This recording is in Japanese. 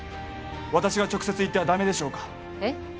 私が直接行ってはダメでしょうかえっ？